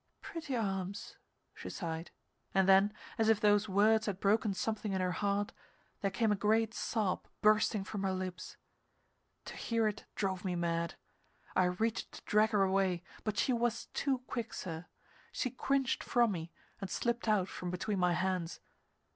"Pretty arms," she sighed, and then, as if those words had broken something in her heart, there came a great sob bursting from her lips. To hear it drove me mad. I reached to drag her away, but she was too quick, sir; she cringed from me and slipped out from between my hands.